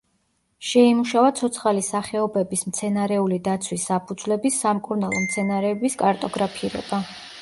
შეიმუშავა ცოცხალი სახეობების მცენარეული დაცვის საფუძვლების, სამკურნალო მცენარეების კარტოგრაფირება.